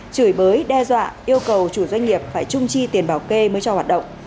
chửi bới đe dọa yêu cầu chủ doanh nghiệp phải trung chi tiền bảo kê mới cho hoạt động